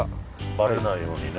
ばれないようにね。